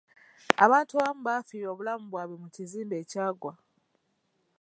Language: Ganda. Abantu abamu baafiirwa obulamu bwabwe mu kizimbe ekyagwa.